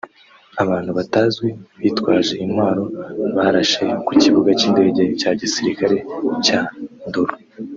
Abantu batazwi bitwaje intwaro barashe ku kibuga cy’indege cya gisirikare cya Ndolo